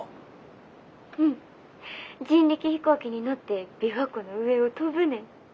☎うん人力飛行機に乗って琵琶湖の上を飛ぶねん。